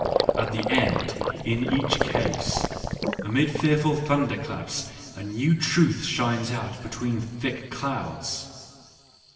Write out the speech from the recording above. At the end, in each case, amid fearful thunderclaps, a new truth shines out between thick clouds.